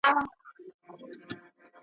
ځي لکه هوسۍ وي تورېدلې سارانۍ ,